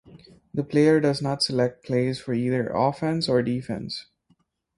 The player does not select plays for either offense or defense.